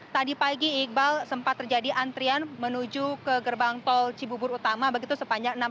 tadi pagi iqbal sempat terjadi antrian menuju ke gerbang tol cibubur utama begitu sepanjang